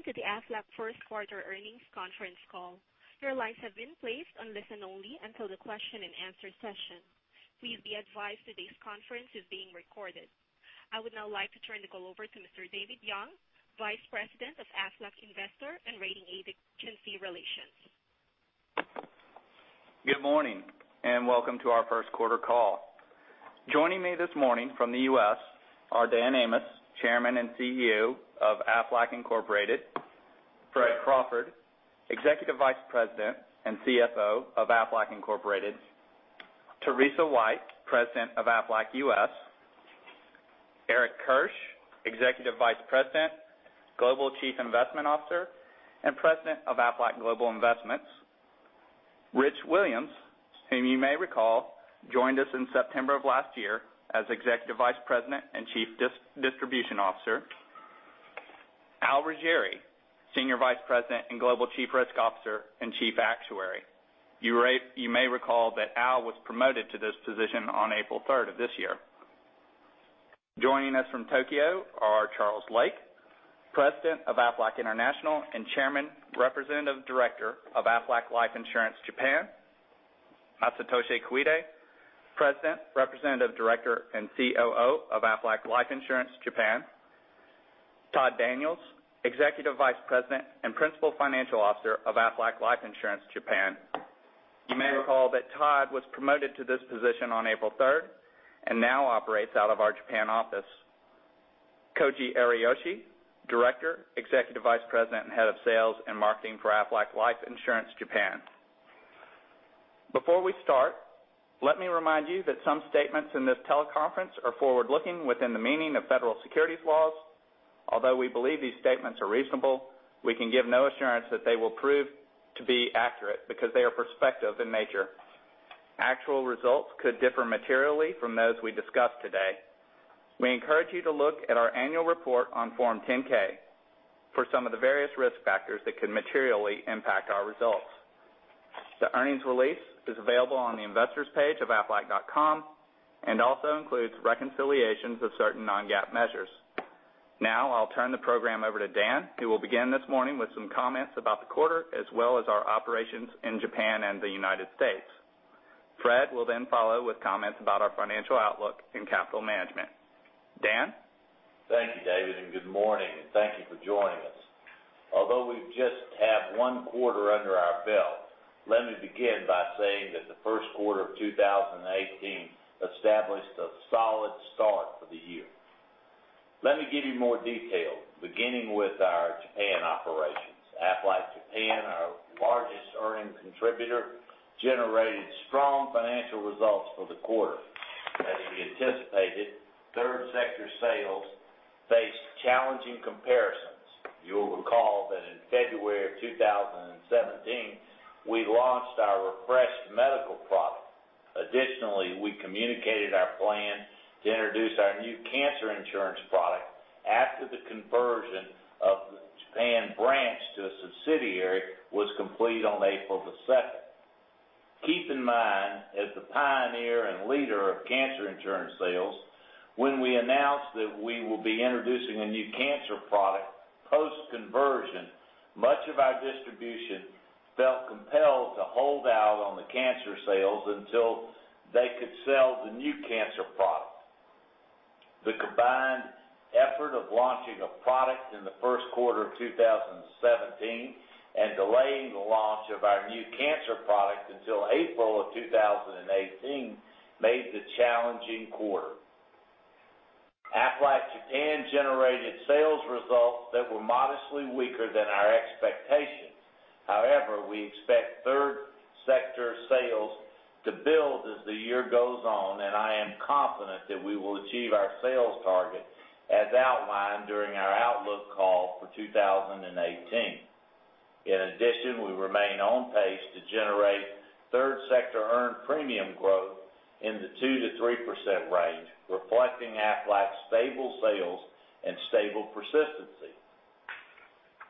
Welcome to the Aflac first quarter earnings conference call. Your lines have been placed on listen-only until the question and answer session. Please be advised today's conference is being recorded. I would now like to turn the call over to Mr. David Young, Vice President of Aflac Investor and Rating Agency Relations. Good morning, welcome to our first quarter call. Joining me this morning from the U.S. are Dan Amos, Chairman and CEO of Aflac Incorporated; Fred Crawford, Executive Vice President and CFO of Aflac Incorporated; Teresa White, President of Aflac U.S.; Eric Kirsch, Executive Vice President, Global Chief Investment Officer, and President of Aflac Global Investments; Rich Williams, whom you may recall, joined us in September of last year as Executive Vice President and Chief Distribution Officer; Al Riggieri, Senior Vice President and Global Chief Risk Officer and Chief Actuary. You may recall that Al was promoted to this position on April 3rd of this year. Joining us from Tokyo are Charles Lake, President of Aflac International and Chairman, Representative Director of Aflac Life Insurance Japan; Masatoshi Koide, President, Representative Director, and COO of Aflac Life Insurance Japan; Todd Daniels, Executive Vice President and Principal Financial Officer of Aflac Life Insurance Japan. You may recall that Todd was promoted to this position on April 3rd and now operates out of our Japan office. Koji Ariyoshi, Director, Executive Vice President, and Head of Sales and Marketing for Aflac Life Insurance Japan. Before we start, let me remind you that some statements in this teleconference are forward-looking within the meaning of federal securities laws. Although we believe these statements are reasonable, we can give no assurance that they will prove to be accurate because they are prospective in nature. Actual results could differ materially from those we discuss today. We encourage you to look at our annual report on Form 10-K for some of the various risk factors that could materially impact our results. The earnings release is available on the investors page of aflac.com and also includes reconciliations of certain non-GAAP measures. I'll turn the program over to Dan, who will begin this morning with some comments about the quarter, as well as our operations in Japan and the United States. Fred will follow with comments about our financial outlook and capital management. Dan? Thank you, David. Good morning, and thank you for joining us. Although we just have one quarter under our belt, let me begin by saying that the first quarter of 2018 established a solid start for the year. Let me give you more detail, beginning with our Japan operations. Aflac Japan, our largest earning contributor, generated strong financial results for the quarter. As we anticipated, third sector sales faced challenging comparisons. You'll recall that in February of 2017, we launched our refreshed medical product. Additionally, we communicated our plan to introduce our new cancer insurance product after the conversion of the Japan branch to a subsidiary was complete on April the 2nd. Keep in mind, as the pioneer and leader of cancer insurance sales, when we announced that we will be introducing a new cancer product post-conversion, much of our distribution felt compelled to hold out on the cancer sales until they could sell the new cancer product. The combined effort of launching a product in the first quarter of 2017 and delaying the launch of our new cancer product until April of 2018 made the challenging quarter. Aflac Japan generated sales results that were modestly weaker than our expectations. However, we expect third sector sales to build as the year goes on, and I am confident that we will achieve our sales target as outlined during our outlook call for 2018. In addition, we remain on pace to generate third sector earned premium growth in the 2%-3% range, reflecting Aflac's stable sales and stable persistency.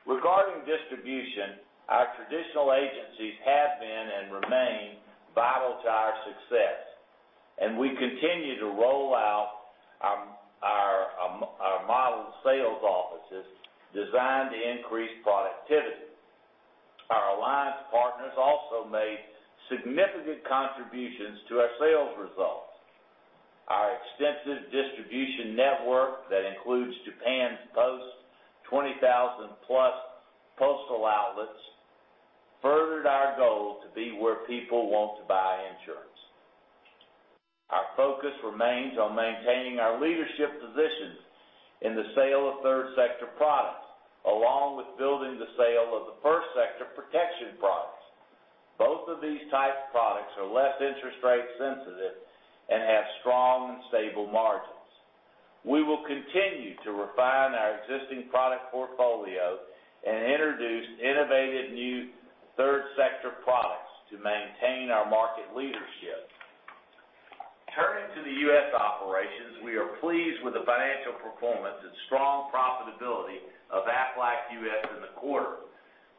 Regarding distribution, our traditional agencies have been and remain vital to our success. We continue to roll out our modeled sales offices designed to increase productivity. Our alliance partners also made significant contributions to our sales results. Our extensive distribution network that includes Japan Post 20,000-plus postal outlets furthered our goal to be where people want to buy insurance. Our focus remains on maintaining our leadership position in the sale of third sector products, along with building the sale of the first sector protection products. Both of these types of products are less interest rate sensitive and have strong and stable margins. We will continue to refine our existing product portfolio and introduce innovative new third sector products to maintain our market leadership. Turning to the U.S. operations, we are pleased with the financial performance and strong profitability of Aflac U.S. in the quarter,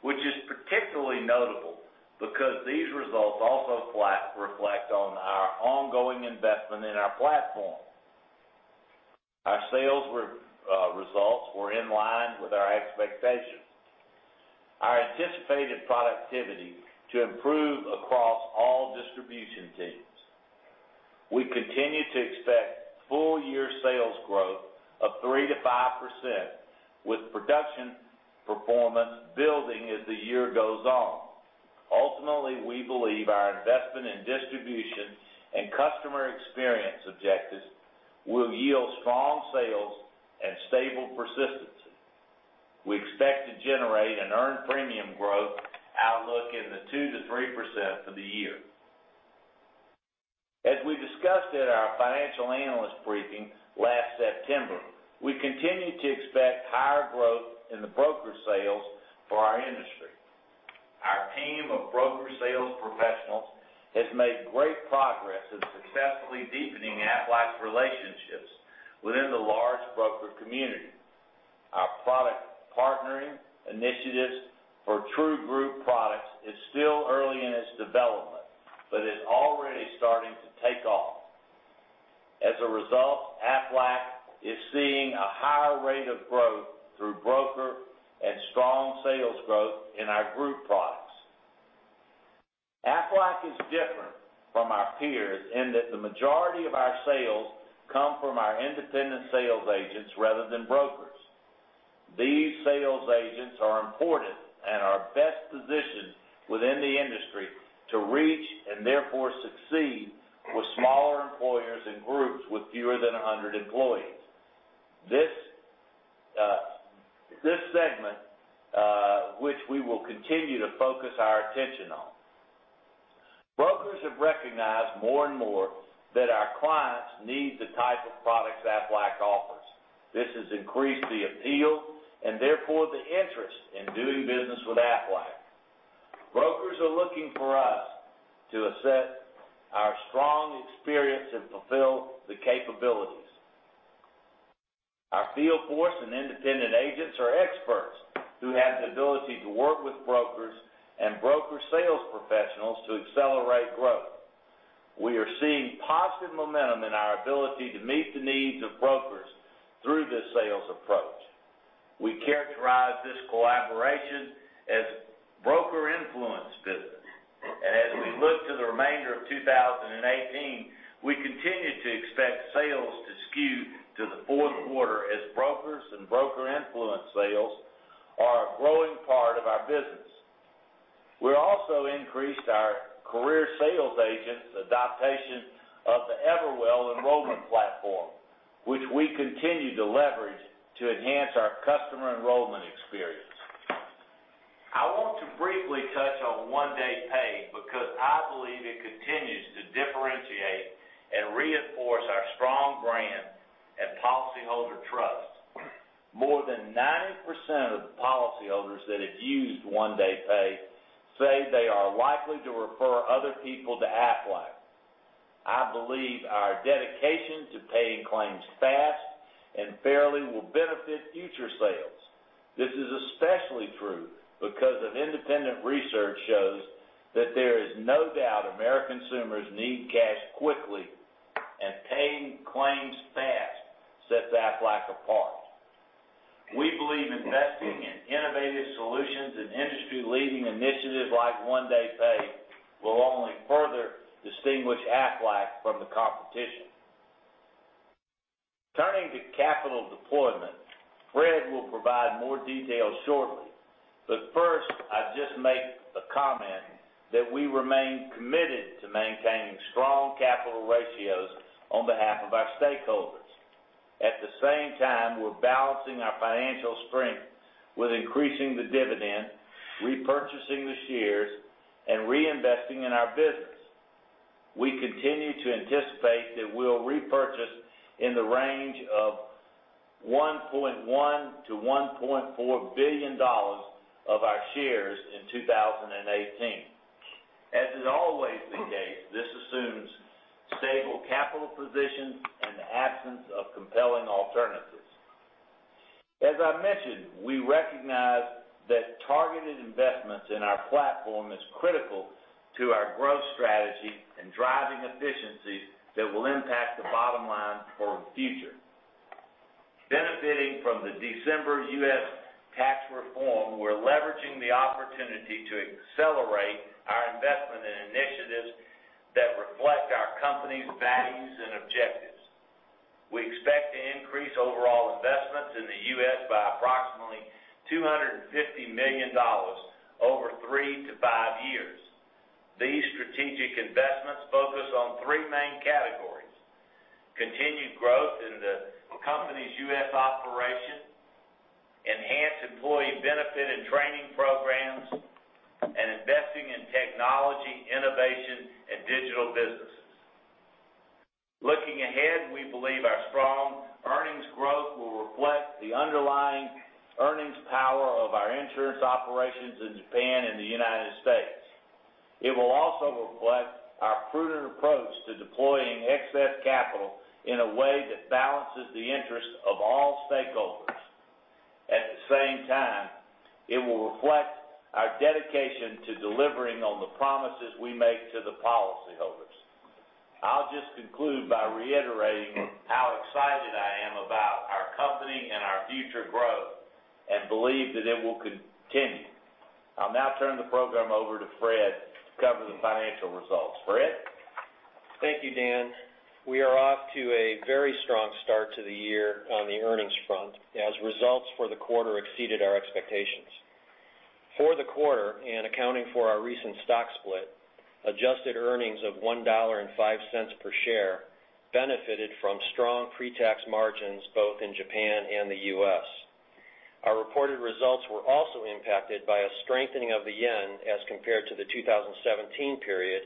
which is particularly notable because these results also reflect on our ongoing investment in our platform. Our sales results were in line with our expectations. Our anticipated productivity to improve across all distribution teams. We continue to expect full year sales growth of 3%-5% with production performance building as the year goes on. Ultimately, we believe our investment in distribution and customer experience objectives will yield strong sales and stable persistency. We expect to generate an earned premium growth outlook in the 2%-3% for the year. As we discussed at our Financial Analysts Briefing last September, we continue to expect higher growth in the broker sales for our industry. Our team of broker sales professionals has made great progress in successfully deepening Aflac's relationships within the large broker community. Our product partnering initiatives for true group products is still early in its development, but is already starting to take off. Aflac is seeing a higher rate of growth through broker and strong sales growth in our group products. Aflac is different from our peers in that the majority of our sales come from our independent sales agents rather than brokers. These sales agents are important and are best positioned within the industry to reach, and therefore succeed, with smaller employers and groups with fewer than 100 employees. This segment which we will continue to focus our attention on. Brokers have recognized more and more that our clients need the type of products Aflac offers. This has increased the appeal and therefore the interest in doing business with Aflac. Brokers are looking for us to assert our strong experience and fulfill the capabilities. Our field force and independent agents are experts who have the ability to work with brokers and broker sales professionals to accelerate growth. We are seeing positive momentum in our ability to meet the needs of brokers through this sales approach. We characterize this collaboration as broker-influenced business. As we look to the remainder of 2018, we continue to expect sales to skew to the fourth quarter as brokers and broker-influenced sales are a growing part of our business. We also increased our career sales agents' adaptation of the Everwell enrollment platform, which we continue to leverage to enhance our customer enrollment experience. I want to briefly touch on One Day Pay because I believe it continues to differentiate and reinforce our strong brand and policyholder trust. More than 90% of the policyholders that have used One Day Pay say they are likely to refer other people to Aflac. I believe our dedication to paying claims fast and fairly will benefit future sales. This is especially true because independent research shows that there is no doubt American consumers need cash quickly, and paying claims fast sets Aflac apart. We believe investing in innovative solutions and industry-leading initiatives like One Day Pay will only further distinguish Aflac from the competition. Turning to capital deployment, Fred will provide more details shortly. First, I'd just make a comment that we remain committed to maintaining strong capital ratios on behalf of our stakeholders. At the same time, we're balancing our financial strength with increasing the dividend, repurchasing the shares, and reinvesting in our business. We continue to anticipate that we'll repurchase in the range of $1.1 billion-$1.4 billion of our shares in 2018. As is always the case, this assumes stable capital position and the absence of compelling alternatives. I mentioned, we recognize that targeted investments in our platform is critical to our growth strategy and driving efficiencies that will impact the bottom line for the future. Benefiting from the December U.S. tax reform, we're leveraging the opportunity to accelerate our investment in initiatives that reflect our company's values and objectives. We expect to increase overall investments in the U.S. by approximately $250 million over three to five years. These strategic investments focus on three main categories: continued growth in the company's U.S. operation, enhanced employee benefit and training programs, and investing in technology, innovation, and digital businesses. Looking ahead, we believe our strong earnings growth will reflect the underlying earnings power of our insurance operations in Japan and the United States. It will also reflect our prudent approach to deploying excess capital in a way that balances the interest of all stakeholders. At the same time, it will reflect our dedication to delivering on the promises we make to the policyholders. I'll just conclude by reiterating how excited I am about our company and our future growth, and believe that it will continue. I'll now turn the program over to Fred to cover the financial results. Fred? Thank you, Dan. We are off to a very strong start to the year on the earnings front, as results for the quarter exceeded our expectations. For the quarter, and accounting for our recent stock split, adjusted earnings of $1.05 per share benefited from strong pre-tax margins both in Japan and the U.S. Our reported results were also impacted by a strengthening of the yen as compared to the 2017 period,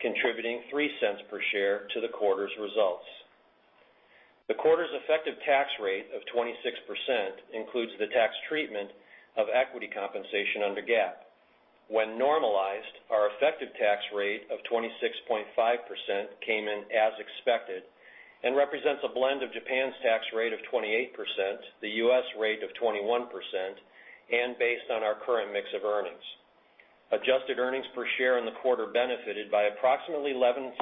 contributing $0.03 per share to the quarter's results. The quarter's effective tax rate of 26% includes the tax treatment of equity compensation under GAAP. When normalized, our effective tax rate of 26.5% came in as expected and represents a blend of Japan's tax rate of 28%, the U.S. rate of 21%, and based on our current mix of earnings. Adjusted earnings per share in the quarter benefited by approximately $0.11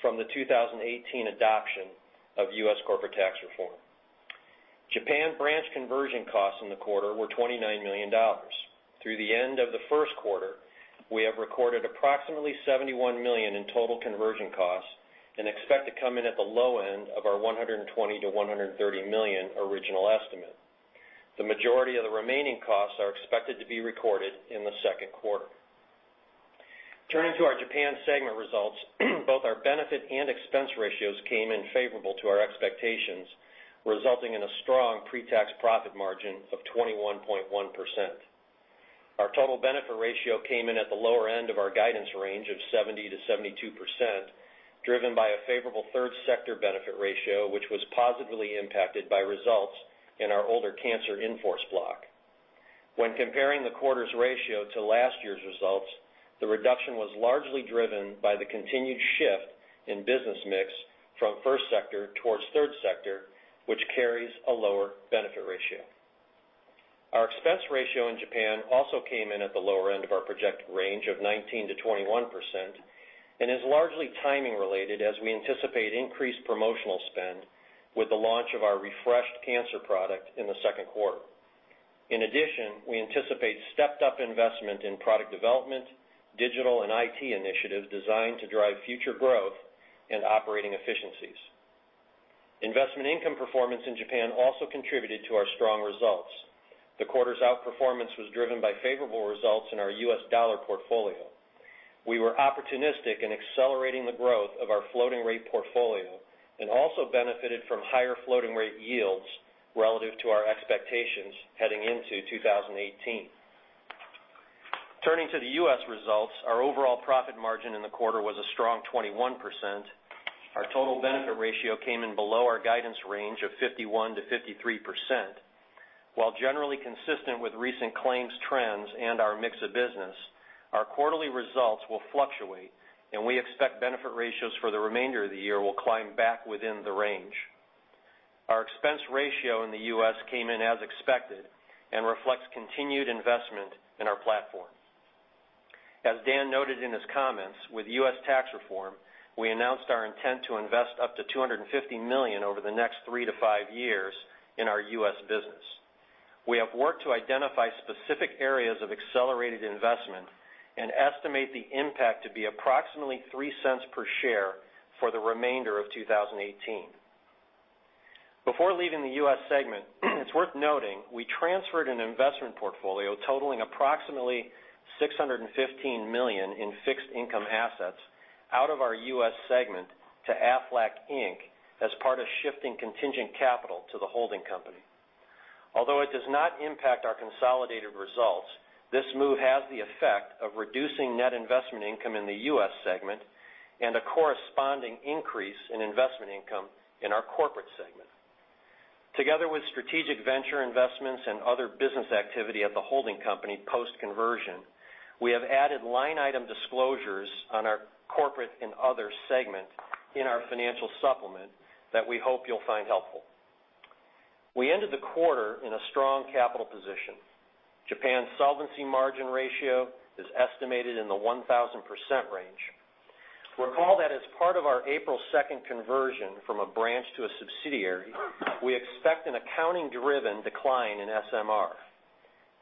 from the 2018 adoption of U.S. corporate tax reform. Japan branch conversion costs in the quarter were $29 million. Through the end of the first quarter, we have recorded approximately $71 million in total conversion costs and expect to come in at the low end of our $120 million-$130 million original estimate. The majority of the remaining costs are expected to be recorded in the second quarter. Turning to our Japan segment results, both our benefit and expense ratios came in favorable to our expectations, resulting in a strong pre-tax profit margin of 21.1%. Our total benefit ratio came in at the lower end of our guidance range of 70%-72%, driven by a favorable third sector benefit ratio, which was positively impacted by results in our older cancer in-force block. When comparing the quarter's ratio to last year's results, the reduction was largely driven by the continued shift in business mix from first sector towards third sector, which carries a lower benefit ratio. Our expense ratio in Japan also came in at the lower end of our projected range of 19%-21% and is largely timing related, as we anticipate increased promotional spend with the launch of our refreshed cancer product in the second quarter. In addition, we anticipate stepped-up investment in product development, digital, and IT initiatives designed to drive future growth and operating efficiencies. Investment income performance in Japan also contributed to our strong results. The quarter's outperformance was driven by favorable results in our U.S. dollar portfolio. We were opportunistic in accelerating the growth of our floating rate portfolio and also benefited from higher floating rate yields relative to our expectations heading into 2018. Turning to the U.S. results, our overall profit margin in the quarter was a strong 21%. Our total benefit ratio came in below our guidance range of 51%-53%. While generally consistent with recent claims trends and our mix of business, our quarterly results will fluctuate, and we expect benefit ratios for the remainder of the year will climb back within the range. Our expense ratio in the U.S. came in as expected and reflects continued investment in our platform. As Dan noted in his comments, with U.S. tax reform, we announced our intent to invest up to $250 million over the next three to five years in our U.S. business. We have worked to identify specific areas of accelerated investment and estimate the impact to be approximately $0.03 per share for the remainder of 2018. Before leaving the U.S. segment, it's worth noting we transferred an investment portfolio totaling approximately $615 million in fixed income assets out of our U.S. segment to Aflac Inc as part of shifting contingent capital to the holding company. Although it does not impact our consolidated results, this move has the effect of reducing net investment income in the U.S. segment and a corresponding increase in investment income in our corporate segment. Together with strategic venture investments and other business activity at the holding company post-conversion, we have added line item disclosures on our corporate and other segment in our financial supplement that we hope you'll find helpful. We ended the quarter in a strong capital position. Japan solvency margin ratio is estimated in the 1,000% range. Recall that as part of our April 2nd conversion from a branch to a subsidiary, we expect an accounting-driven decline in SMR.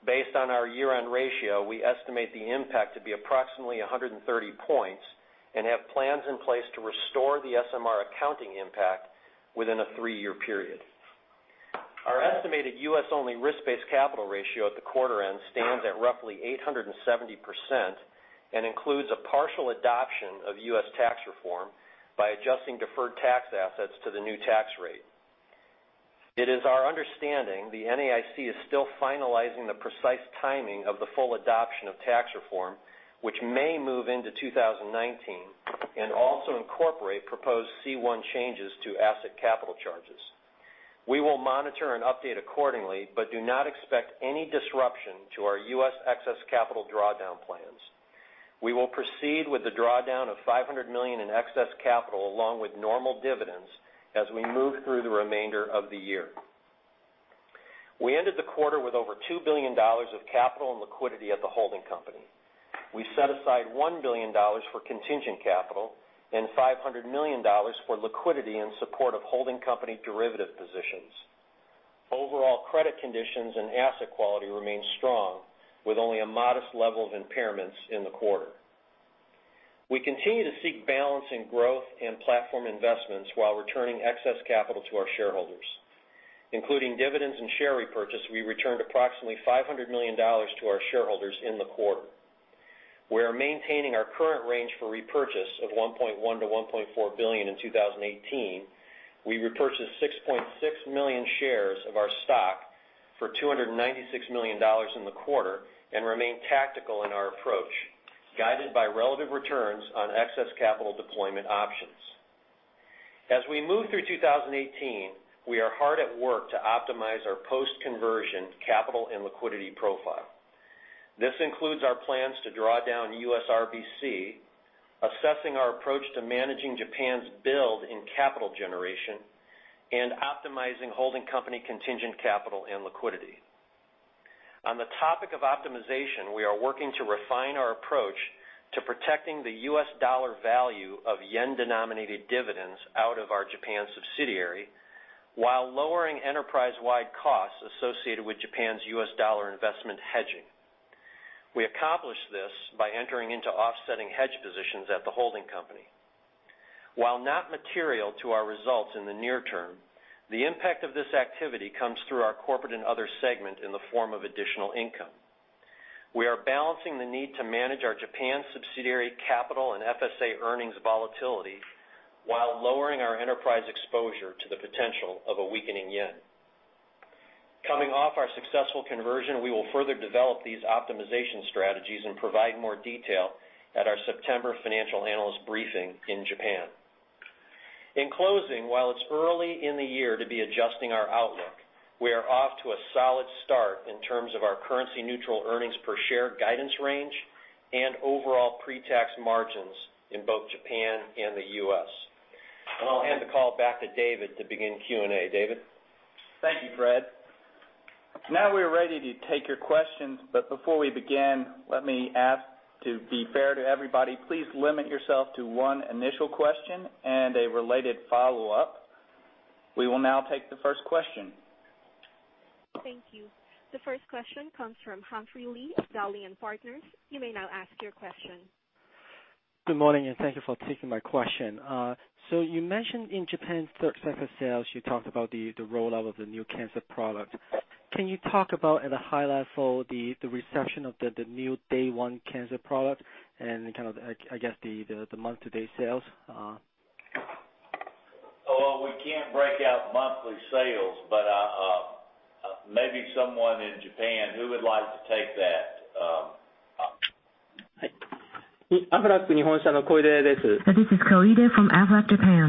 Based on our year-end ratio, we estimate the impact to be approximately 130 points and have plans in place to restore the SMR accounting impact within a three-year period. Our estimated U.S.-only risk-based capital ratio at the quarter end stands at roughly 870% and includes a partial adoption of U.S. tax reform by adjusting deferred tax assets to the new tax rate. It is our understanding the NAIC is still finalizing the precise timing of the full adoption of tax reform, which may move into 2019 and also incorporate proposed C1 changes to asset capital charges. We will monitor and update accordingly, but do not expect any disruption to our U.S. excess capital drawdown plans. We will proceed with the drawdown of $500 million in excess capital along with normal dividends as we move through the remainder of the year. We ended the quarter with over $2 billion of capital and liquidity at the holding company. We set aside $1 billion for contingent capital and $500 million for liquidity in support of holding company derivative positions. Overall credit conditions and asset quality remain strong, with only a modest level of impairments in the quarter. We continue to seek balance in growth and platform investments while returning excess capital to our shareholders. Including dividends and share repurchase, we returned approximately $500 million to our shareholders in the quarter. We are maintaining our current range for repurchase of $1.1 billion-$1.4 billion in 2018. We repurchased 6.6 million shares of our stock for $296 million in the quarter and remain tactical in our approach, guided by relative returns on excess capital deployment options. As we move through 2018, we are hard at work to optimize our post-conversion capital and liquidity profile. This includes our plans to draw down U.S. RBC, assessing our approach to managing Japan's build in capital generation, and optimizing holding company contingent capital and liquidity. On the topic of optimization, we are working to refine our approach to protecting the U.S. dollar value of yen-denominated dividends out of our Japan subsidiary, while lowering enterprise-wide costs associated with Japan's U.S. dollar investment hedging. We accomplish this by entering into offsetting hedge positions at the holding company. While not material to our results in the near term, the impact of this activity comes through our corporate and other segment in the form of additional income. We are balancing the need to manage our Japan subsidiary capital and FSA earnings volatility, while lowering our enterprise exposure to the potential of a weakening yen. Coming off our successful conversion, we will further develop these optimization strategies and provide more detail at our September Financial Analysts Briefing in Japan. In closing, while it's early in the year to be adjusting our outlook, we are off to a solid start in terms of our currency-neutral earnings per share guidance range and overall pre-tax margins in both Japan and the U.S. I'll hand the call back to David to begin Q&A. David? Thank you, Fred. We're ready to take your questions, but before we begin, let me ask, to be fair to everybody, please limit yourself to one initial question and a related follow-up. We will now take the first question. Thank you. The first question comes from Humphrey Lee of Dowling & Partners. You may now ask your question. Good morning, and thank you for taking my question. You mentioned in Japan's third quarter sales, you talked about the rollout of the new cancer product. Can you talk about, at a high level, the reception of the new day-one cancer product and kind of, I guess, the month-to-date sales? Well, we can't break out monthly sales, but maybe someone in Japan. Who would like to take that? This is Koide from Aflac, Japan.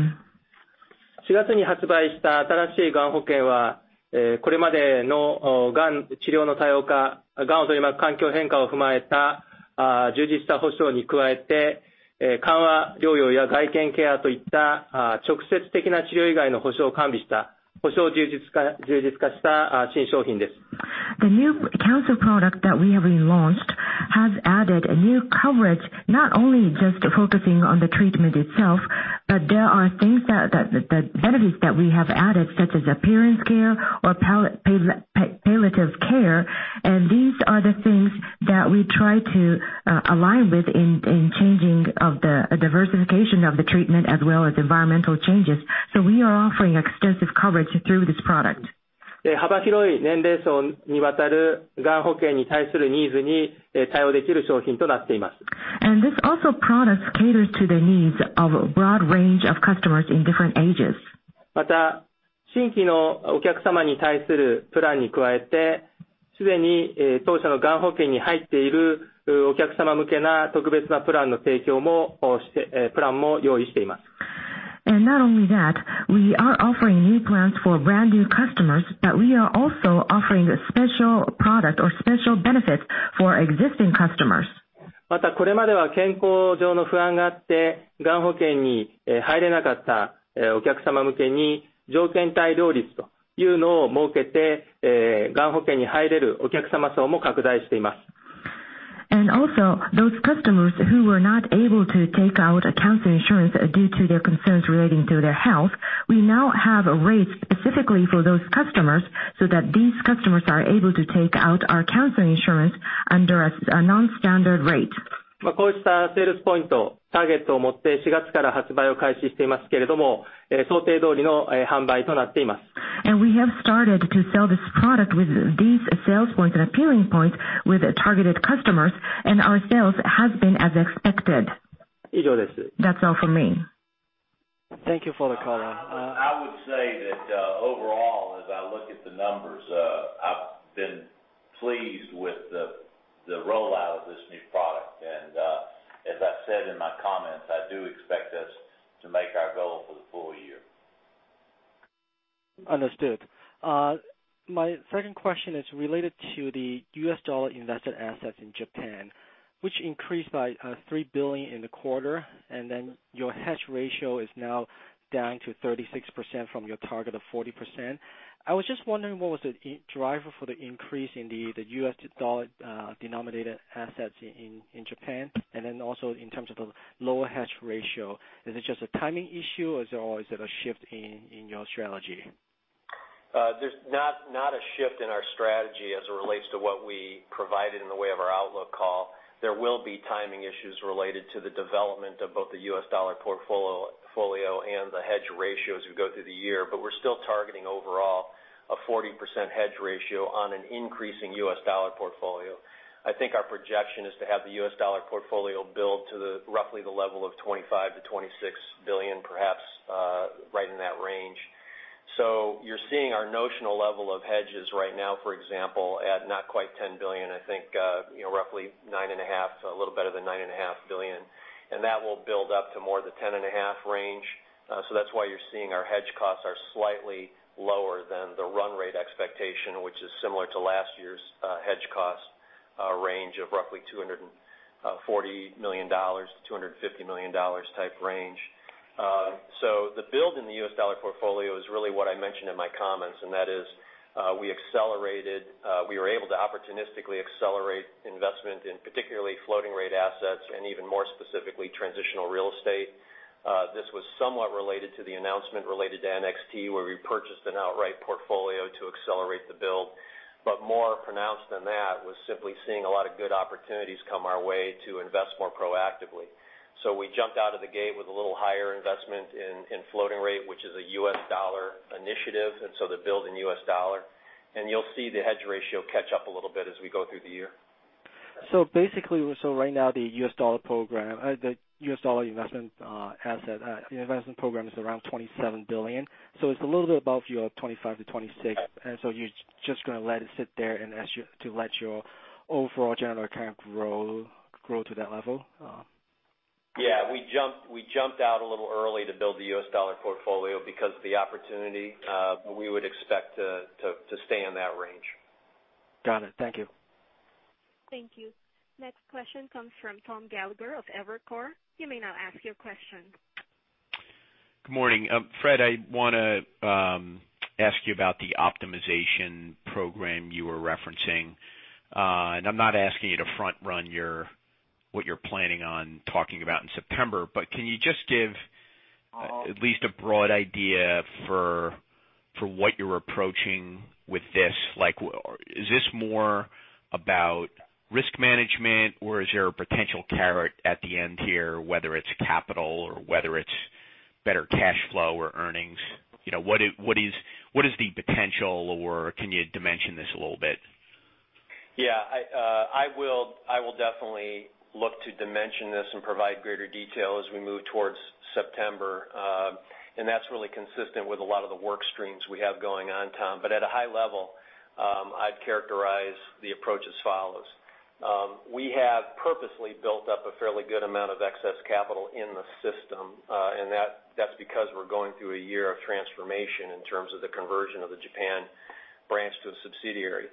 The new cancer product that we have relaunched has added new coverage, not only just focusing on the treatment itself, but there are things that, the benefits that we have added, such as appearance care or palliative care. These are the things that we try to align with in changing of the diversification of the treatment as well as environmental changes. We are offering extensive coverage through this product. This also product caters to the needs of a broad range of customers in different ages. Not only that, we are offering new plans for brand new customers, but we are also offering a special product or special benefits for existing customers. Also, those customers who were not able to take out a cancer insurance due to their concerns relating to their health, we now have a rate specifically for those customers so that these customers are able to take out our cancer insurance under a non-standard rate. We have started to sell this product with these sales points and appearing points with targeted customers, and our sales have been as expected. That's all from me. Thank you for the call. I would say that overall, as I look at the numbers, I've been pleased with the rollout of this new product. As I said in my comments, I do expect us to make our goal for the full year Understood. My second question is related to the U.S. dollar invested assets in Japan, which increased by $3 billion in the quarter, and then your hedge ratio is now down to 36% from your target of 40%. I was just wondering what was the driver for the increase in the U.S. dollar denominated assets in Japan, and then also in terms of the lower hedge ratio, is it just a timing issue, or is it a shift in your strategy? There's not a shift in our strategy as it relates to what we provided in the way of our outlook call. There will be timing issues related to the development of both the U.S. dollar portfolio and the hedge ratio as we go through the year. We're still targeting overall a 40% hedge ratio on an increasing U.S. dollar portfolio. I think our projection is to have the U.S. dollar portfolio build to roughly the level of $25-26 billion, perhaps right in that range. You're seeing our notional level of hedges right now, for example, at not quite $10 billion, I think roughly nine and a half to a little better than nine and a half billion. That will build up to more the ten and a half range. That's why you're seeing our hedge costs are slightly lower than the run rate expectation, which is similar to last year's hedge cost range of roughly $240 million to $250 million type range. The build in the U.S. dollar portfolio is really what I mentioned in my comments, and that is we were able to opportunistically accelerate investment in particularly floating rate assets and even more specifically, transitional real estate. This was somewhat related to the announcement related to NXT, where we purchased an outright portfolio to accelerate the build. More pronounced than that was simply seeing a lot of good opportunities come our way to invest more proactively. We jumped out of the gate with a little higher investment in floating rate, which is a U.S. dollar initiative, the build in U.S. dollar. You'll see the hedge ratio catch up a little bit as we go through the year. Basically, right now the U.S. dollar investment program is around $27 billion. It's a little bit above your $25 billion-$26 billion. You're just going to let it sit there to let your overall general account grow to that level? Yeah, we jumped out a little early to build the U.S. dollar portfolio because of the opportunity. We would expect to stay in that range. Got it. Thank you. Thank you. Next question comes from Tom Gallagher of Evercore. You may now ask your question. Good morning. Fred, I want to ask you about the optimization program you were referencing. I'm not asking you to front run what you're planning on talking about in September. Can you just give at least a broad idea for what you're approaching with this? Is this more about risk management, or is there a potential carrot at the end here, whether it's capital or whether it's better cash flow or earnings? What is the potential, or can you dimension this a little bit? Yeah. I will definitely look to dimension this and provide greater detail as we move towards September. That's really consistent with a lot of the work streams we have going on, Tom. At a high level, I'd characterize the approach as follows. We have purposely built up a fairly good amount of excess capital in the system, and that's because we're going through a year of transformation in terms of the conversion of the Japan branch to a subsidiary.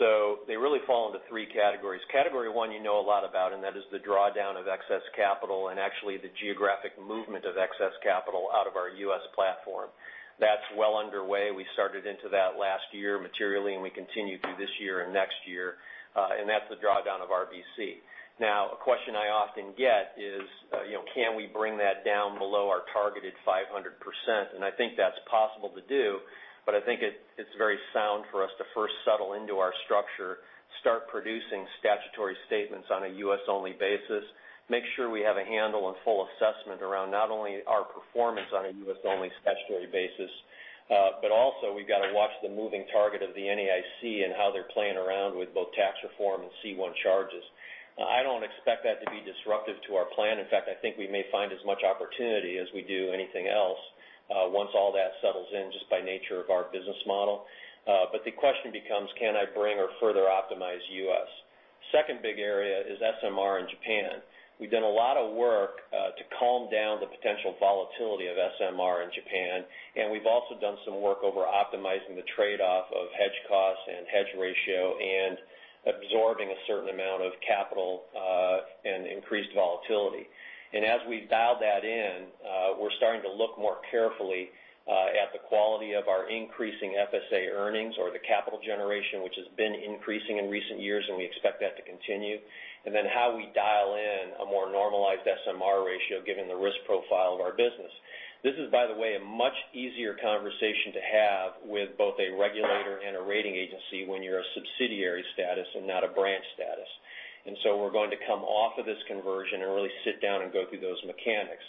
So they really fall into 3 categories. Category 1 you know a lot about, and that is the drawdown of excess capital and actually the geographic movement of excess capital out of our U.S. platform. That's well underway. We started into that last year materially, and we continue through this year and next year. That's the drawdown of RBC. A question I often get is can we bring that down below our targeted 500%? I think that's possible to do, but I think it's very sound for us to first settle into our structure, start producing statutory statements on a U.S.-only basis, make sure we have a handle and full assessment around not only our performance on a U.S.-only statutory basis. Also we've got to watch the moving target of the NAIC and how they're playing around with both tax reform and C1 charges. I don't expect that to be disruptive to our plan. In fact, I think we may find as much opportunity as we do anything else once all that settles in, just by nature of our business model. The question becomes, can I bring or further optimize U.S.? Second big area is SMR in Japan. We've done a lot of work to calm down the potential volatility of SMR in Japan, and we've also done some work over optimizing the trade-off of hedge costs and hedge ratio and absorbing a certain amount of capital and increased volatility. As we've dialed that in, we're starting to look more carefully at the quality of our increasing FSA earnings or the capital generation, which has been increasing in recent years, and we expect that to continue. Then how we dial in a more normalized SMR ratio given the risk profile of our business. This is, by the way, a much easier conversation to have with both a regulator and a rating agency when you're a subsidiary status and not a branch status. So we're going to come off of this conversion and really sit down and go through those mechanics.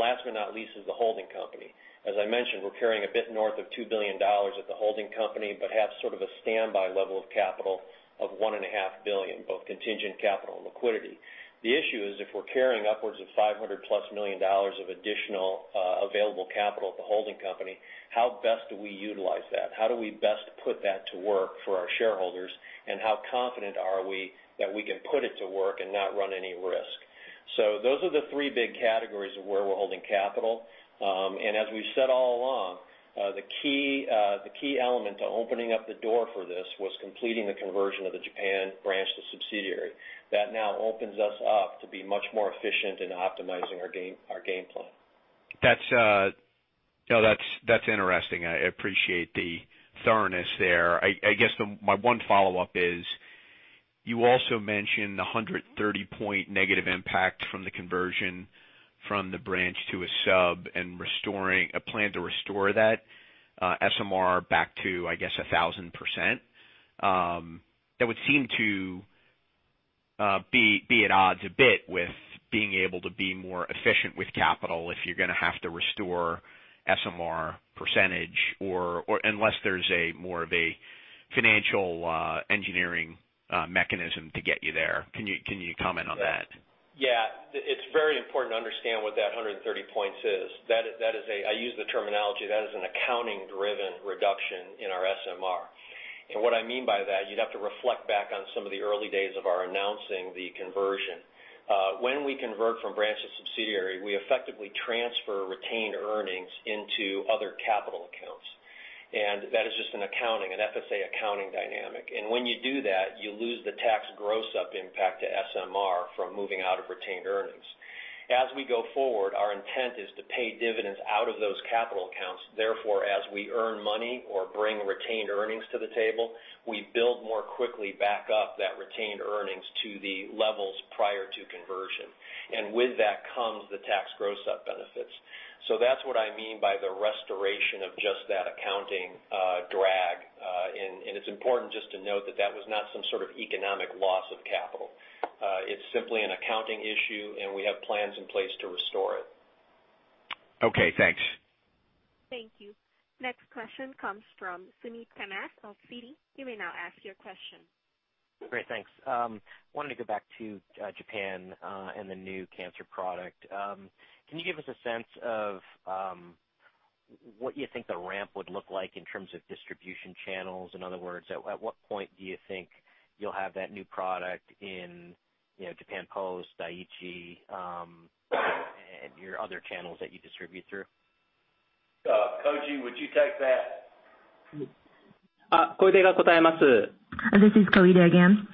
Last but not least, is the holding company. As I mentioned, we're carrying a bit north of $2 billion at the holding company, but have sort of a standby level of capital of $1.5 billion, both contingent capital and liquidity. The issue is if we're carrying upwards of $500 plus million of additional available capital at the holding company, how best do we utilize that? How do we best put that to work for our shareholders, and how confident are we that we can put it to work and not run any risk? Those are the three big categories of where we're holding capital. As we've said all along, the key element to opening up the door for this was completing the conversion of the Japan branch to subsidiary. That now opens us up to be much more efficient in optimizing our game plan. That's interesting. I appreciate the thoroughness there. I guess my one follow-up is, you also mentioned the 130-point negative impact from the conversion from the branch to a sub and a plan to restore that SMR back to, I guess, 1,000%. That would seem to be at odds a bit with being able to be more efficient with capital if you're going to have to restore SMR percentage, or unless there's more of a financial engineering mechanism to get you there. Can you comment on that? Yeah. It is very important to understand what that 130 points is. I use the terminology, that is an accounting-driven reduction in our SMR. What I mean by that, you'd have to reflect back on some of the early days of our announcing the conversion. When we convert from branch to subsidiary, we effectively transfer retained earnings into other capital accounts. That is just an accounting, an FSA accounting dynamic. When you do that, you lose the tax gross-up impact to SMR from moving out of retained earnings. As we go forward, our intent is to pay dividends out of those capital accounts. Therefore, as we earn money or bring retained earnings to the table, we build more quickly back up that retained earnings to the levels prior to conversion. With that comes the tax gross-up benefits. That's what I mean by the restoration of just that accounting drag. It's important just to note that that was not some sort of economic loss of capital. It's simply an accounting issue, and we have plans in place to restore it. Okay, thanks. Thank you. Next question comes from Suneet Kamath of Citi. You may now ask your question. Great, thanks. Wanted to go back to Japan and the new cancer product. Can you give us a sense of what you think the ramp would look like in terms of distribution channels? In other words, at what point do you think you'll have that new product in Japan Post, Dai-ichi, and your other channels that you distribute through? Koji, would you take that? This is Koide again.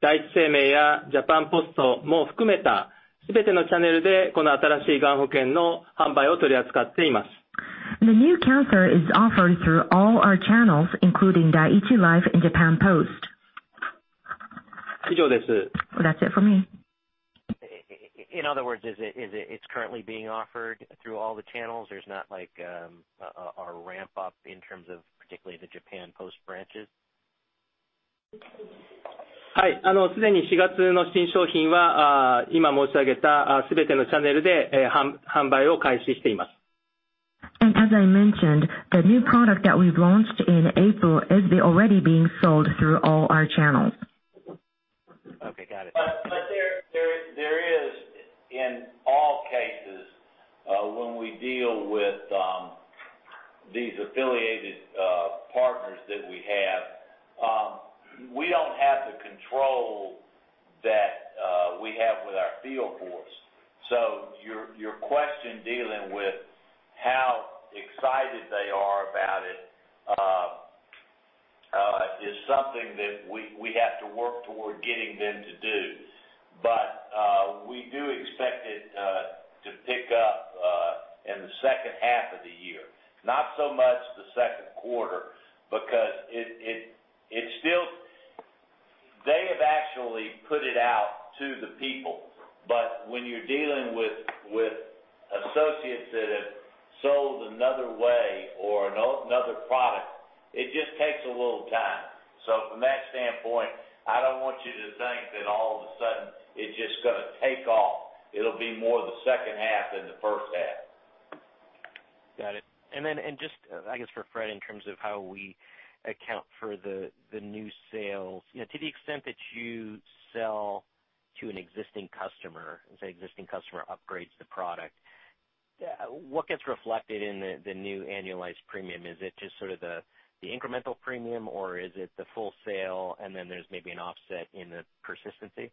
The new cancer is offered through all our channels, including Dai-ichi Life and Japan Post. That's it for me. In other words, it's currently being offered through all the channels? There's not a ramp-up in terms of particularly the Japan Post branches? As I mentioned, the new product that we've launched in April is already being sold through all our channels. Okay, got it. There is in all cases, when we deal with these affiliated partners that we have, we don't have the control that we have with our field force. Your question dealing with how excited they are about it is something that we have to work toward getting them to do. We do expect it to pick up in the second half of the year, not so much the second quarter. They have actually put it out to the people, but when you're dealing with associates that have sold another way or another product, it just takes a little time. From that standpoint, I don't want you to think that all of a sudden it's just going to take off. It'll be more the second half than the first half. Got it. I guess for Fred, in terms of how we account for the new sales. To the extent that you sell to an existing customer, say existing customer upgrades the product, what gets reflected in the new annualized premium? Is it just sort of the incremental premium, or is it the full sale, and then there's maybe an offset in the persistency?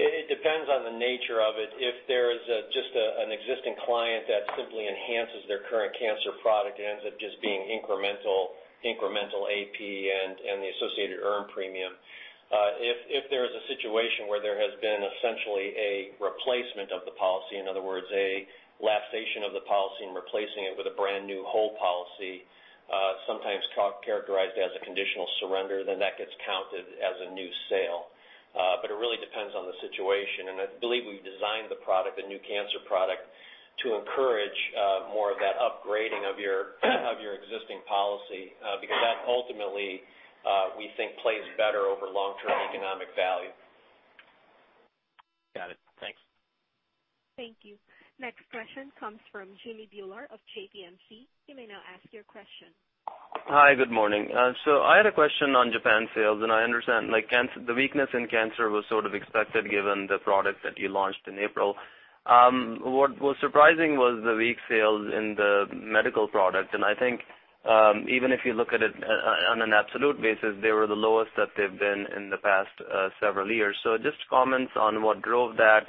It depends on the nature of it. If there's just an existing client that simply enhances their current cancer product, it ends up just being incremental AP and the associated earned premium. If there is a situation where there has been essentially a replacement of the policy, in other words, a lapsation of the policy and replacing it with a brand-new whole policy, sometimes characterized as a conditional surrender, then that gets counted as a new sale. It really depends on the situation, and I believe we've designed the product, the new cancer product, to encourage more of that upgrading of your existing policy because that ultimately, we think plays better over long-term economic value. Got it. Thanks. Thank you. Next question comes from Jimmy Bhullar of JPMorgan. You may now ask your question. Hi, good morning. I had a question on Japan sales. I understand the weakness in cancer was sort of expected given the product that you launched in April. What was surprising was the weak sales in the medical product, I think even if you look at it on an absolute basis, they were the lowest that they've been in the past several years. Just comments on what drove that,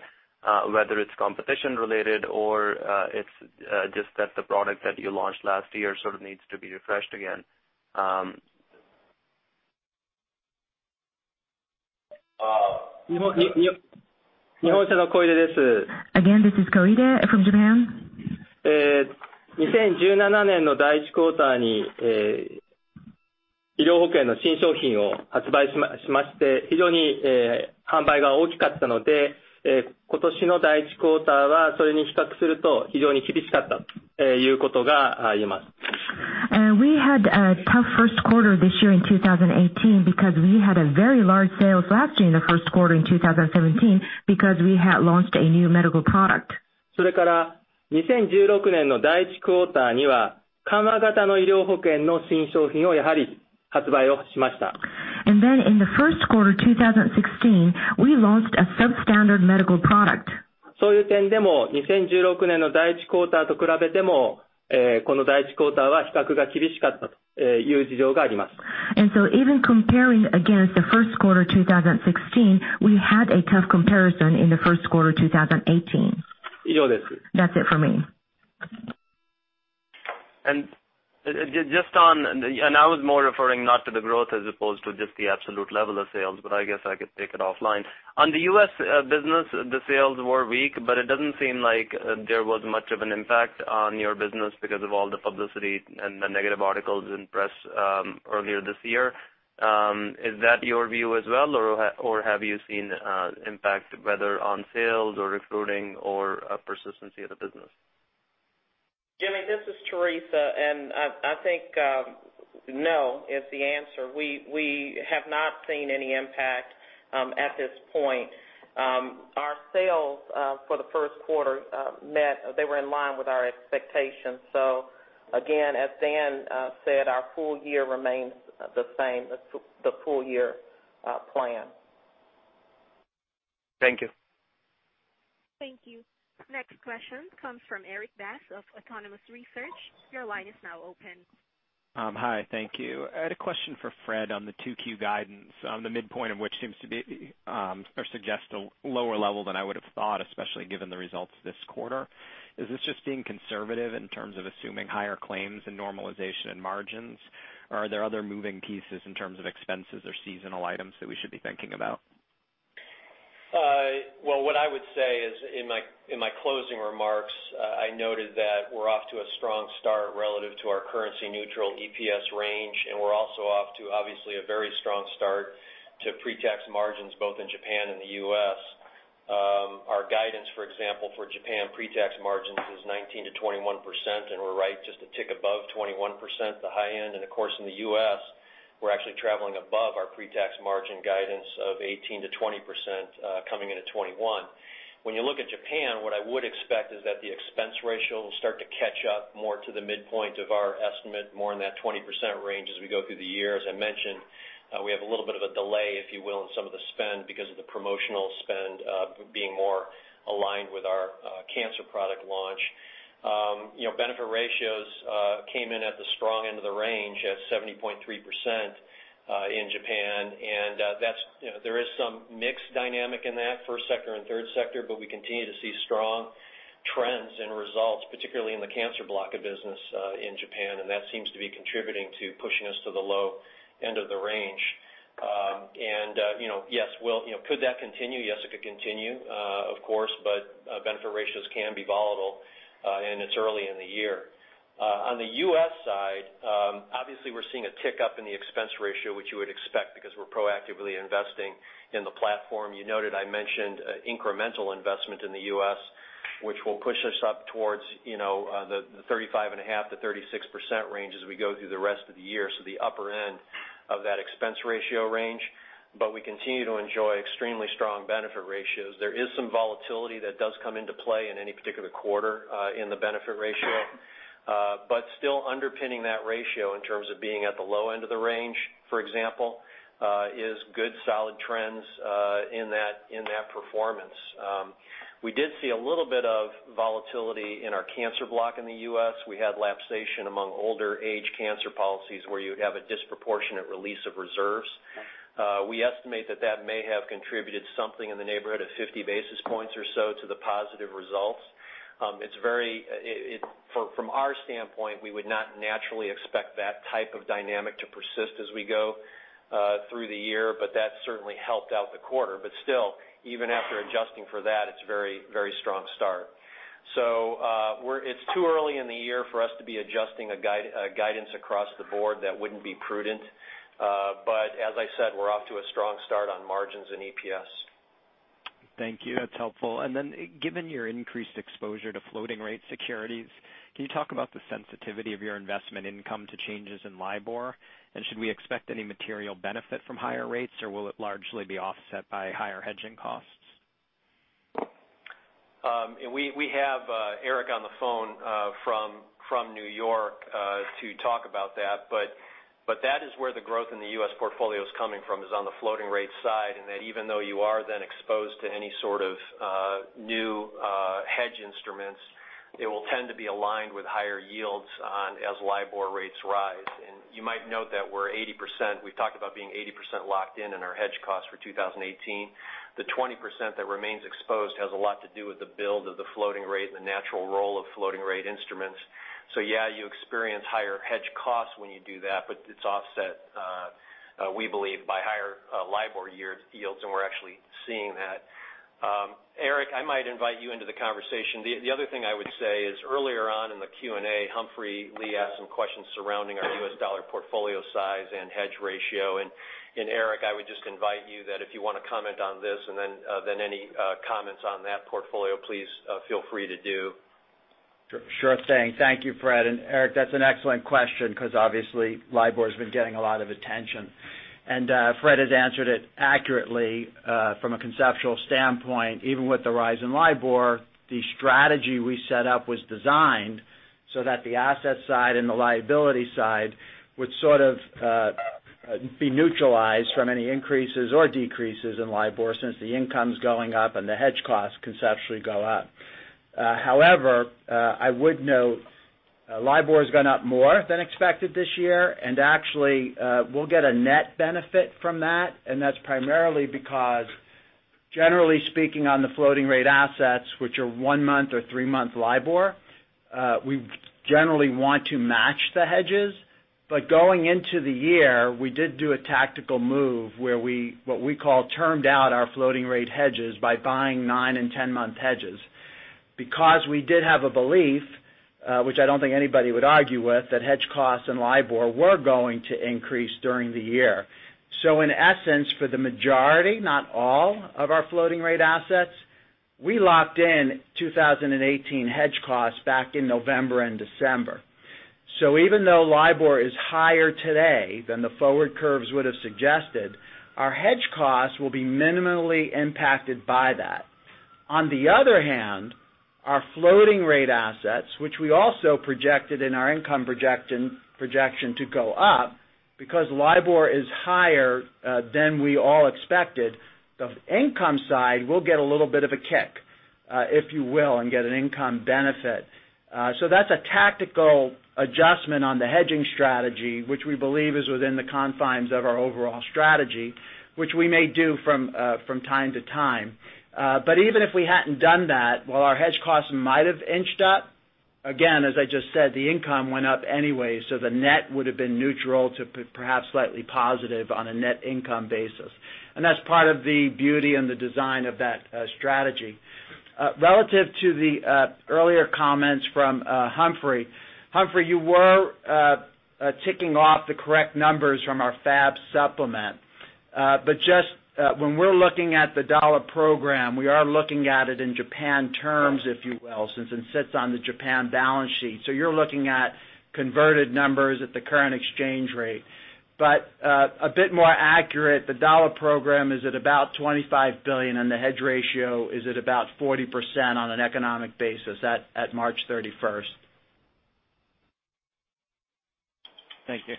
whether it's competition related or it's just that the product that you launched last year sort of needs to be refreshed again. Again, this is Koide from Japan. We had a tough first quarter this year in 2018 because we had a very large sales last year in the first quarter in 2017 because we had launched a new medical product. In the first quarter of 2016, we launched a substandard medical product. Even comparing against the first quarter 2016, we had a tough comparison in the first quarter 2018. That's it for me. I was more referring not to the growth as opposed to just the absolute level of sales, but I guess I could take it offline. On the U.S. business, the sales were weak, but it doesn't seem like there was much of an impact on your business because of all the publicity and the negative articles in press earlier this year. Is that your view as well, or have you seen impact whether on sales or recruiting or persistency of the business? Jimmy, this is Teresa, and I think no is the answer. We have not seen any impact at this point. Our sales for the first quarter, they were in line with our expectations. Again, as Dan said, our full year remains the same, the full-year plan. Thank you. Thank you. Next question comes from Erik Bass of Autonomous Research. Your line is now open. Hi, thank you. I had a question for Fred on the 2Q guidance on the midpoint of which seems to be or suggests a lower level than I would have thought, especially given the results this quarter. Is this just being conservative in terms of assuming higher claims and normalization in margins, or are there other moving pieces in terms of expenses or seasonal items that we should be thinking about? Well, what I would say is in my closing remarks, I noted that we're off to a strong start relative to our currency neutral EPS range. We're also off to obviously a very strong start to pre-tax margins both in Japan and the U.S. Our guidance, for example, for Japan pre-tax margins is 19%-21%, and we're right just a tick above 21%, the high end. Of course, in the U.S., we're actually traveling above our pre-tax margin guidance of 18%-20%, coming in at 21%. When you look at Japan, what I would expect is that the expense ratio will start to catch up more to the midpoint of our estimate, more in that 20% range as we go through the year. As I mentioned, we have a little bit of a delay, if you will, in some of the spend because of the promotional spend being more aligned with our cancer product launch. Benefit ratios came in at the strong end of the range at 70.3% in Japan. There is some mixed dynamic in that first sector and third sector, but we continue to see strong trends and results, particularly in the cancer block of business in Japan. That seems to be contributing to pushing us to the low end of the range. Could that continue? Yes, it could continue, of course, but benefit ratios can be volatile, and it's early in the year. On the U.S. side, obviously we're seeing a tick up in the expense ratio, which you would expect because we're proactively investing in the platform. You noted I mentioned incremental investment in the U.S., which will push us up towards the 35.5%-36% range as we go through the rest of the year, so the upper end of that expense ratio range. We continue to enjoy extremely strong benefit ratios. There is some volatility that does come into play in any particular quarter in the benefit ratio. Still underpinning that ratio in terms of being at the low end of the range, for example, is good solid trends in that performance. We did see a little bit of volatility in our cancer block in the U.S. We had lapsation among older age cancer policies where you would have a disproportionate release of reserves. We estimate that that may have contributed something in the neighborhood of 50 basis points or so to the positive results. From our standpoint, we would not naturally expect that type of dynamic to persist as we go through the year, but that certainly helped out the quarter. Still, even after adjusting for that, it's a very strong start. It's too early in the year for us to be adjusting a guidance across the board. That wouldn't be prudent. But as I said, we're off to a strong start on margins and EPS. Thank you. That's helpful. Given your increased exposure to floating rate securities, can you talk about the sensitivity of your investment income to changes in LIBOR? Should we expect any material benefit from higher rates, or will it largely be offset by higher hedging costs? We have Eric on the phone from New York to talk about that. That is where the growth in the U.S. portfolio is coming from, is on the floating rate side, and that even though you are then exposed to any sort of new hedge instruments, it will tend to be aligned with higher yields as LIBOR rates rise. You might note that we're 80%, we've talked about being 80% locked in on our hedge costs for 2018. The 20% that remains exposed has a lot to do with the build of the floating rate and the natural roll of floating rate instruments. Yes, you experience higher hedge costs when you do that, but it's offset, we believe, by higher LIBOR yields, and we're actually seeing that. Eric, I might invite you into the conversation. The other thing I would say is earlier on in the Q&A, Humphrey Lee asked some questions surrounding our U.S. dollar portfolio size and hedge ratio. Eric, I would just invite you that if you want to comment on this, and then any comments on that portfolio, please feel free to do. Sure thing. Thank you, Fred. Eric, that's an excellent question because obviously LIBOR has been getting a lot of attention. Fred has answered it accurately from a conceptual standpoint. Even with the rise in LIBOR, the strategy we set up was designed so that the asset side and the liability side would sort of be neutralized from any increases or decreases in LIBOR since the income's going up and the hedge costs conceptually go up. I would note LIBOR has gone up more than expected this year, and actually we'll get a net benefit from that, and that's primarily because generally speaking on the floating rate assets, which are one-month or three-month LIBOR, we generally want to match the hedges. Going into the year, we did do a tactical move where we, what we call termed out our floating rate hedges by buying 9 and 10-month hedges because we did have a belief, which I don't think anybody would argue with, that hedge costs and LIBOR were going to increase during the year. In essence, for the majority, not all of our floating rate assets, we locked in 2018 hedge costs back in November and December. Even though LIBOR is higher today than the forward curves would have suggested, our hedge costs will be minimally impacted by that. Our floating rate assets, which we also projected in our income projection to go up because LIBOR is higher than we all expected, the income side will get a little bit of a kick, if you will, and get an income benefit. That's a tactical adjustment on the hedging strategy, which we believe is within the confines of our overall strategy, which we may do from time to time. Even if we hadn't done that, while our hedge costs might have inched up, again, as I just said, the income went up anyway, so the net would have been neutral to perhaps slightly positive on a net income basis. That's part of the beauty and the design of that strategy. Relative to the earlier comments from Humphrey. Humphrey, you were ticking off the correct numbers from our FAB supplement. Just when we're looking at the dollar program, we are looking at it in Japan terms, if you will, since it sits on the Japan balance sheet. You're looking at converted numbers at the current exchange rate. A bit more accurate, the dollar program is at about $25 billion, and the hedge ratio is at about 40% on an economic basis at March 31st. Thank you.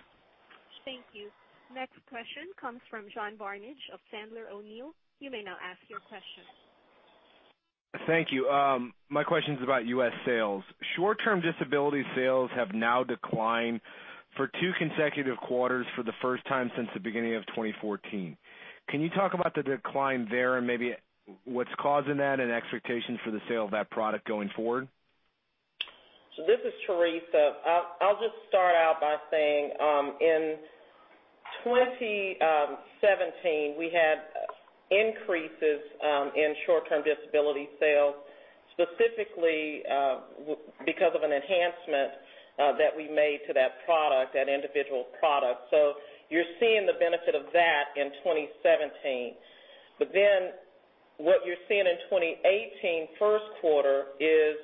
Thank you. Next question comes from John Barnidge of Sandler O'Neill. You may now ask your question. Thank you. My question's about U.S. sales. short-term disability sales have now declined for two consecutive quarters for the first time since the beginning of 2014. Can you talk about the decline there and maybe what's causing that and expectations for the sale of that product going forward? This is Teresa. I'll just start out by saying in 2017, we had increases in short-term disability sales, specifically because of an enhancement that we made to that product, that individual product. You're seeing the benefit of that in 2017. What you're seeing in 2018 first quarter is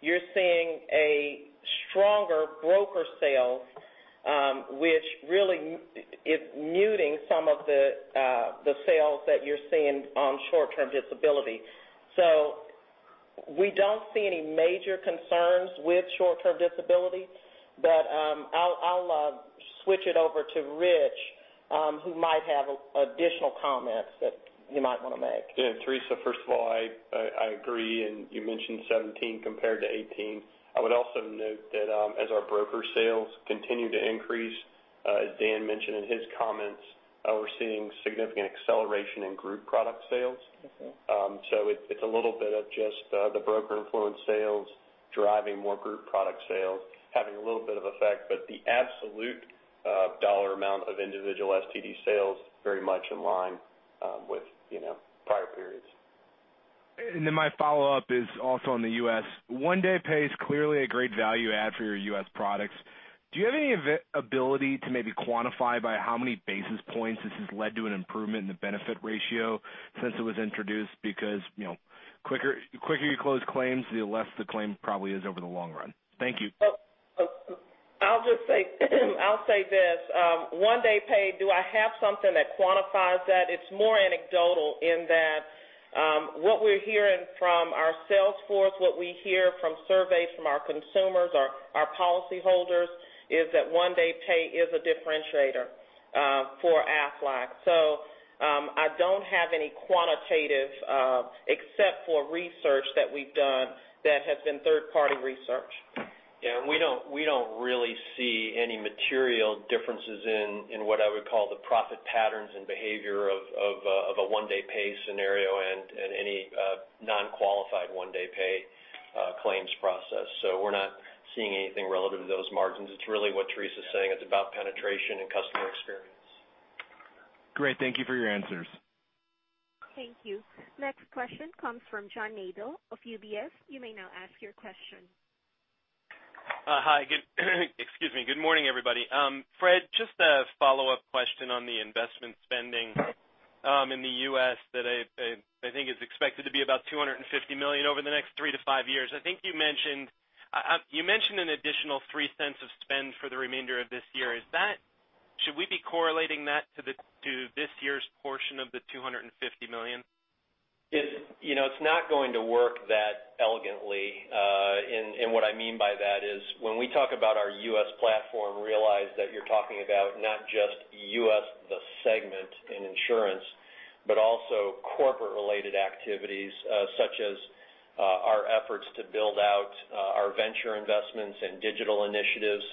you're seeing a stronger broker sale, which really is muting some of the sales that you're seeing on short-term disability. We don't see any major concerns with short-term disability. I'll switch it over to Rich, who might have additional comments that he might want to make. Yeah, Teresa, first of all, I agree. You mentioned 2017 compared to 2018. I would also note that as our broker sales continue to increase, as Dan mentioned in his comments, we're seeing significant acceleration in group product sales. It's a little bit of just the broker-influenced sales driving more group product sales having a little bit of effect. The absolute dollar amount of individual STD sales very much in line with prior periods. My follow-up is also on the U.S. One Day Pay is clearly a great value add for your U.S. products. Do you have any ability to maybe quantify by how many basis points this has led to an improvement in the benefit ratio since it was introduced? Because quicker you close claims, the less the claim probably is over the long run. Thank you. I'll say this. One Day Pay, do I have something that quantifies that? It's more anecdotal in that what we're hearing from our sales force, what we hear from surveys from our consumers, our policyholders, is that One Day Pay is a differentiator for Aflac. I don't have any quantitative except for research that we've done that has been third-party research. We don't really see any material differences in what I would call the profit patterns and behavior of a One Day Pay scenario and any non-qualified One Day Pay claims process. We're not seeing anything relative to those margins. It's really what Teresa's saying. It's about penetration and customer experience. Great. Thank you for your answers. Thank you. Next question comes from John Nadel of UBS. You may now ask your question. Hi. Excuse me. Good morning, everybody. Fred, just a follow-up question on the investment spending in the U.S. that I think is expected to be about $250 million over the next three to five years. I think you mentioned an additional $0.03 of spend for the remainder of this year. Should we be correlating that to this year's portion of the $250 million? It's not going to work that elegantly. What I mean by that is when we talk about our U.S. platform, realize that you're talking about not just U.S., the segment in insurance, but also corporate-related activities, such as our efforts to build out our venture investments and digital initiatives.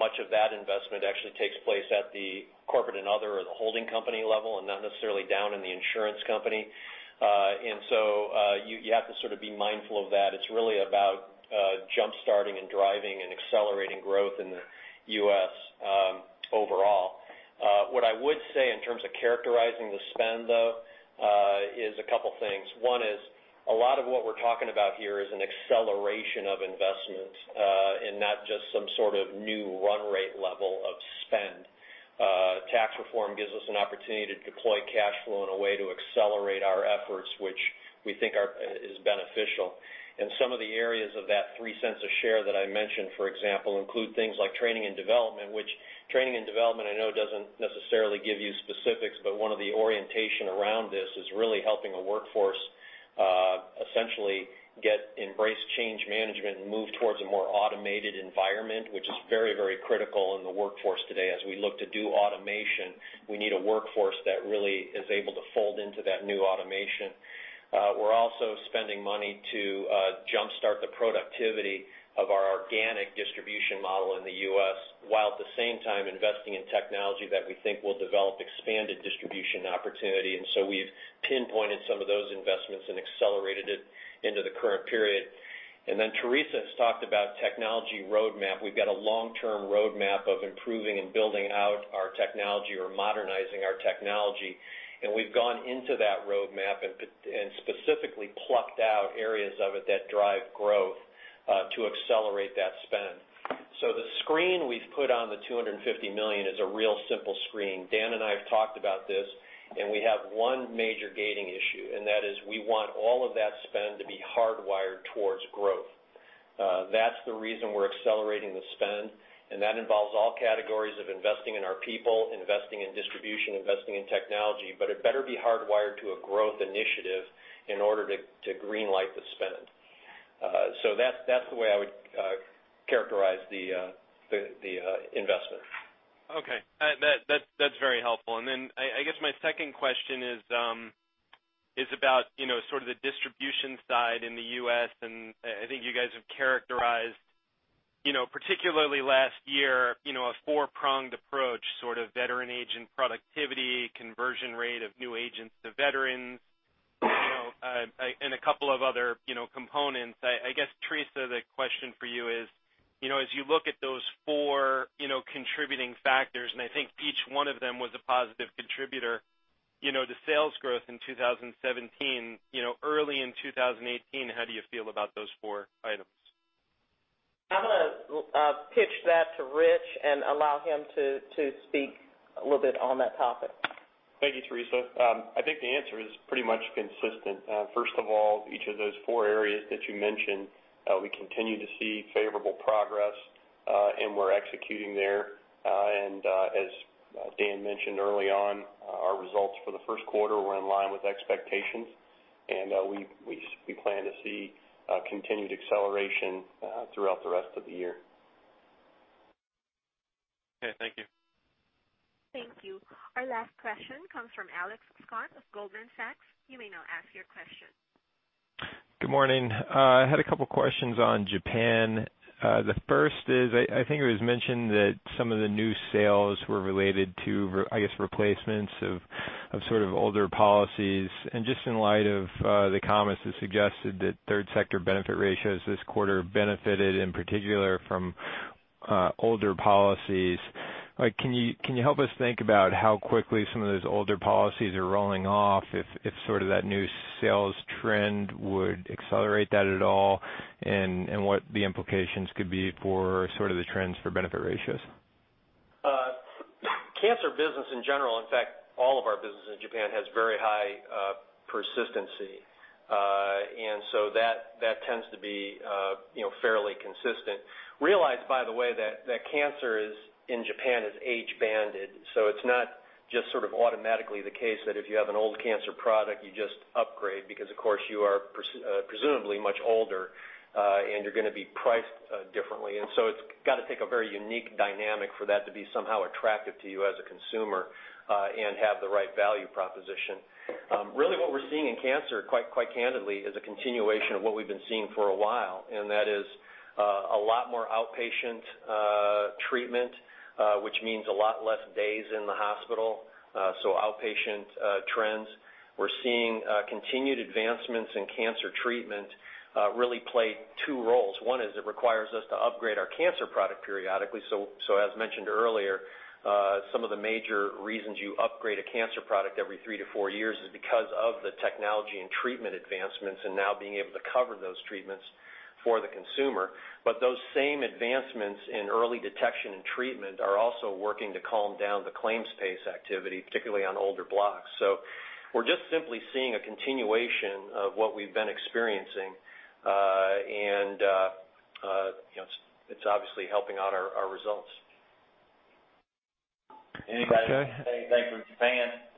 Much of that investment actually takes place at the corporate and other, or the holding company level, and not necessarily down in the insurance company. You have to sort of be mindful of that. It's really about jump-starting and driving and accelerating growth in the U.S. overall. What I would say in terms of characterizing the spend, though, is a couple things. One is, a lot of what we're talking about here is an acceleration of investment, and not just some sort of new run rate level of spend. Tax reform gives us an opportunity to deploy cash flow in a way to accelerate our efforts, which we think is beneficial. Some of the areas of that $0.03 a share that I mentioned, for example, include things like training and development, which training and development I know doesn't necessarily give you specifics, but one of the orientation around this is really helping a workforce essentially embrace change management and move towards a more automated environment, which is very critical in the workforce today. As we look to do automation, we need a workforce that really is able to fold into that new automation. We're also spending money to jumpstart the productivity of our organic distribution model in the U.S., while at the same time investing in technology that we think will develop expanded distribution opportunity. We've pinpointed some of those investments and accelerated it into the current period. Teresa has talked about technology roadmap. We've got a long-term roadmap of improving and building out our technology or modernizing our technology. We've gone into that roadmap and specifically plucked out areas of it that drive growth to accelerate that spend. The screen we've put on the $250 million is a real simple screen. Dan and I have talked about this, and we have one major gating issue, and that is we want all of that spend to be hardwired towards growth. That's the reason we're accelerating the spend, and that involves all categories of investing in our people, investing in distribution, investing in technology. It better be hardwired to a growth initiative in order to green-light the spend. That's the way I would characterize the investment. Okay. That's very helpful. My second question is about sort of the distribution side in the U.S. I think you guys have characterized, particularly last year, a 4-pronged approach, sort of veteran agent productivity, conversion rate of new agents to veterans, and a couple of other components. I guess, Teresa, the question for you is, as you look at those 4 contributing factors, and I think each one of them was a positive contributor, the sales growth in 2017, early in 2018, how do you feel about those 4 items? I'm going to pitch that to Rich and allow him to speak a little bit on that topic. Thank you, Teresa. I think the answer is pretty much consistent. First of all, each of those 4 areas that you mentioned, we continue to see favorable progress, and we're executing there. As Dan mentioned early on, our results for the first quarter were in line with expectations, and we plan to see continued acceleration throughout the rest of the year. Okay, thank you. Thank you. Our last question comes from Alex Scott of Goldman Sachs. You may now ask your question. Good morning. I had a couple questions on Japan. The first is, I think it was mentioned that some of the new sales were related to, I guess, replacements of sort of older policies. Just in light of the comments that suggested that third sector benefit ratios this quarter benefited in particular from older policies, can you help us think about how quickly some of those older policies are rolling off, if sort of that new sales trend would accelerate that at all, and what the implications could be for sort of the trends for benefit ratios? Cancer business in general, in fact, all of our business in Japan has very high persistency. That tends to be fairly consistent. Realize, by the way, that cancer in Japan is age banded, so it's not just sort of automatically the case that if you have an old cancer product, you just upgrade, because of course you are presumably much older, and you're going to be priced differently. It's got to take a very unique dynamic for that to be somehow attractive to you as a consumer, and have the right value proposition. Really what we're seeing in cancer, quite candidly, is a continuation of what we've been seeing for a while, and that is a lot more outpatient treatment, which means a lot less days in the hospital, so outpatient trends. We're seeing continued advancements in cancer treatment really play two roles. One is it requires us to upgrade our cancer product periodically. As mentioned earlier, some of the major reasons you upgrade a cancer product every three to four years is because of the technology and treatment advancements, and now being able to cover those treatments for the consumer. Those same advancements in early detection and treatment are also working to calm down the claims pace activity, particularly on older blocks. We're just simply seeing a continuation of what we've been experiencing, and it's obviously helping out our results. Anybody? Anything for Japan?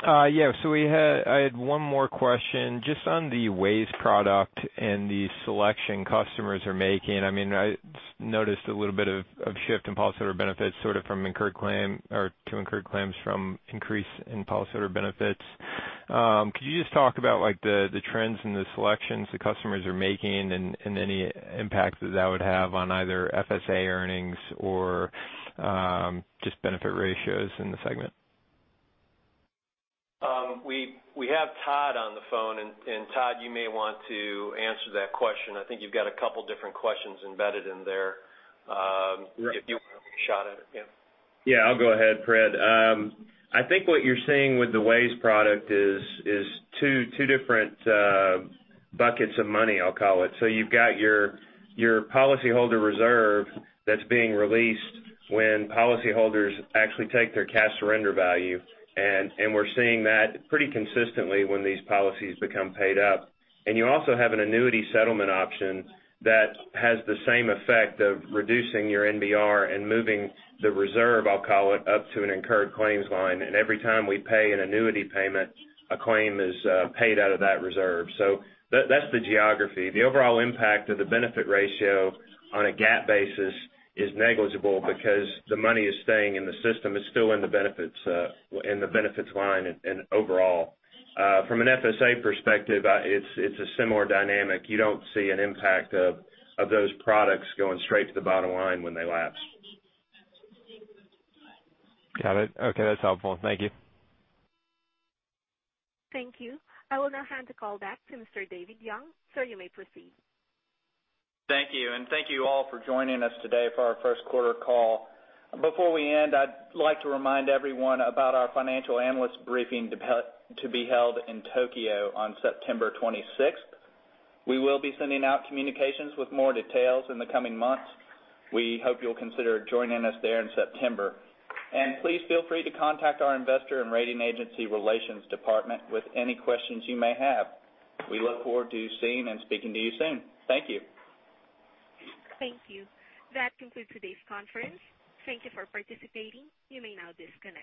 I had one more question, just on the WAYS product and the selection customers are making. I noticed a little bit of shift in policyholder benefits sort of to incurred claims from increase in policyholder benefits. Could you just talk about the trends in the selections the customers are making and any impact that that would have on either FSA earnings or just benefit ratios in the segment? We have Todd on the phone, Todd, you may want to answer that question. I think you've got a couple different questions embedded in there. If you want to have a shot at it, yeah. Yeah, I'll go ahead, Fred. I think what you're seeing with the WAYS product is two different buckets of money, I'll call it. You've got your policyholder reserve that's being released when policyholders actually take their cash surrender value, and we're seeing that pretty consistently when these policies become paid up. You also have an annuity settlement option that has the same effect of reducing your IBNR and moving the reserve, I'll call it, up to an incurred claims line. Every time we pay an annuity payment, a claim is paid out of that reserve. That's the geography. The overall impact of the benefit ratio on a GAAP basis is negligible because the money is staying in the system. It's still in the benefits line and overall. From an FSA perspective, it's a similar dynamic. You don't see an impact of those products going straight to the bottom line when they lapse. Got it. Okay, that's helpful. Thank you. Thank you. I will now hand the call back to Mr. David Young. Sir, you may proceed. Thank you, and thank you all for joining us today for our first quarter call. Before we end, I'd like to remind everyone about our Financial Analysts Briefing to be held in Tokyo on September 26th. We will be sending out communications with more details in the coming months. We hope you'll consider joining us there in September. Please feel free to contact our investor and rating agency relations department with any questions you may have. We look forward to seeing and speaking to you soon. Thank you. Thank you. That concludes today's conference. Thank you for participating. You may now disconnect.